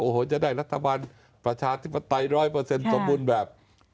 โอ้โหจะได้รัฐบาลประชาธิปไตยร้อยเปอร์เซ็นต์สมบูรณ์แบบ